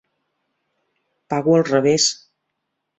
Pago al revés.